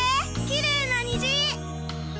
きれいなにじ！